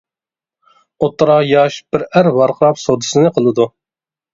ئوتتۇرا ياش بىر ئەر ۋارقىراپ سودىسىنى قىلىدۇ.